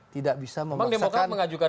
tidak bisa memaksakan